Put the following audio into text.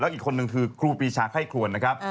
อีกคนนึงคือครูปีชาไข้ครวนนะครับ